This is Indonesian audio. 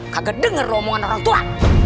kagak denger ngomongan orang tua